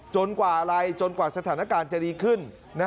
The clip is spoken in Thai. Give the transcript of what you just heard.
กว่าอะไรจนกว่าสถานการณ์จะดีขึ้น